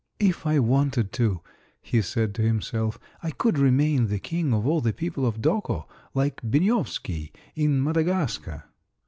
"If I wanted to," he said to himself, "I could remain the king of all the people of Doko, like Beniowsky in Madagascar."